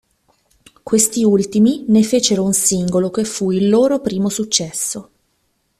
Questi ultimi ne fecero un singolo, che fu il loro primo successo.